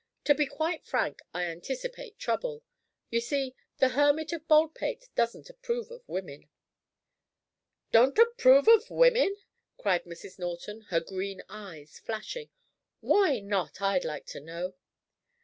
To be quite frank, I anticipate trouble. You see, the Hermit of Baldpate doesn't approve of women " "Don't approve of women," cried Mrs. Norton, her green eyes flashing. "Why not, I'd like to know?"